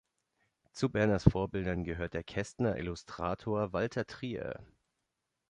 Zu Berners Vorbildern gehört der Kästner-Illustrator Walter Trier.